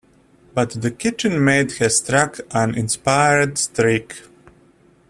But the kitchen maid has struck an inspired streak.